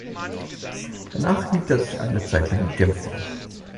Danach hielt er sich eine Zeit lang in Genf auf.